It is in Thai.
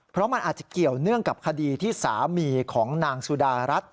เพราะมันอาจจะเกี่ยวเนื่องกับคดีที่สามีของนางสุดารัฐ